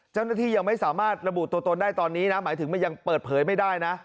เจ้าหน้าที่ยังไม่สามารถระบุตัวตนได้ตอนนี้นะหมายถึงมันยังเปิดเผยไม่ได้นะ